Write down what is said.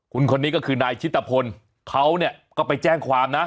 คุณคนนี้ก็คือนายชิตภพลเขาก็ไปแจ้งความนะ